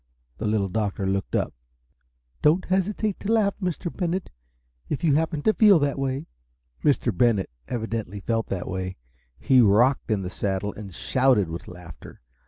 The Little Doctor looked up. "Don't hesitate to laugh, Mr. Bennett, if you happen to feel that way!" Mr. Bennett evidently felt that way. He rocked in the saddle, and shouted with laughter.